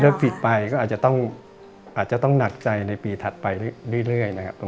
ถ้าผิดไปก็อาจจะต้องหนักใจในปีถัดไปเรื่อยนะครับ